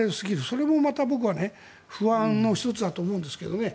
それもまた僕は不安の１つだと思うんですけどね。